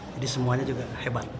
jadi semuanya juga hebat